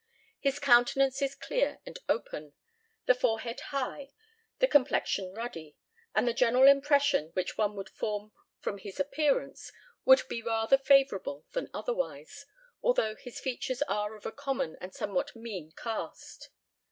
His countenance is clear and open, the forehead high, the complexion ruddy, and the general impression which one would form from his appearance would be rather favourable than otherwise, although his features are of a common and somewhat mean cast.